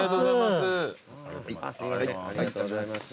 ありがとうございます。